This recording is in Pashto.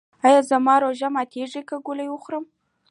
ایا زما روژه ماتیږي که ګولۍ وخورم؟